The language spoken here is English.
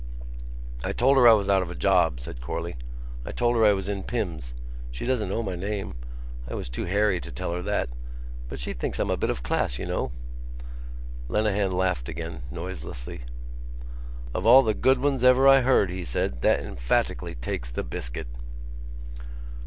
"I told her I was out of a job," said Corley. "I told her I was in Pim's. She doesn't know my name. I was too hairy to tell her that. But she thinks I'm a bit of class, you know." Lenehan laughed again, noiselessly. "Of all the good ones ever I heard," he said, "that emphatically takes the biscuit."